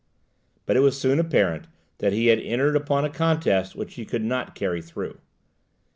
But it was soon apparent that he had entered upon a contest which he could not carry through.